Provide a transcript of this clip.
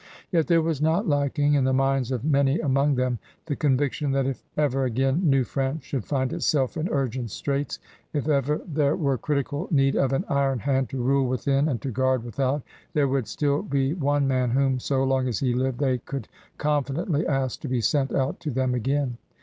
Yet there was not lacking, in the minds of many among them, the conviction that if ever again New France should find itself in urgent straits, if ever there were critical need of an iron hand to rule within and to guard without, there would still be one man whom, so long as he livedo they could confidently ask to be sent out to them again.